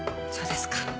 そうですか。